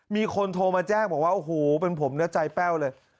มีคนโทรมาแจ้งบอกว่าโอ้โหเป็นผมนะใจแป้วเลย